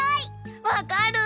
わかる！